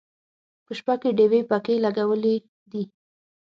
په شپه کې ډیوې پکې لګولې دي.